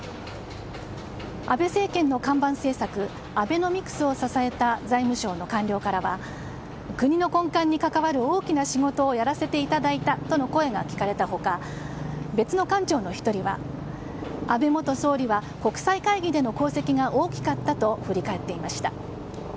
安倍政権の看板政策アベノミクスを支えた財務省の官僚からは国の根幹に関わる大きな仕事をやらせていただいたとの声が聞かれた他、別の官庁の１人は安倍元総理は国際会議での功績が大きかったと振り返っていました。